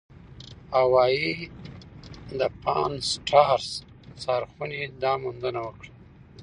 هاوايي د پان-سټارس څارخونې دا موندنه وکړه.